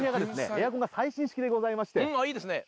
エアコンが最新式でございましてあっいいですね